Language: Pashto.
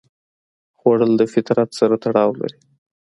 خوړل د فطرت سره تړاو لري